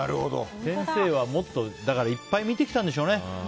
先生は、もっといっぱい見てきたんでしょうね。